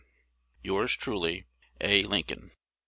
Yours truly, A. Lincoln.